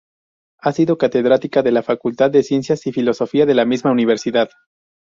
Ha sido catedrática de la Facultad de Ciencias y Filosofía de la misma universidad.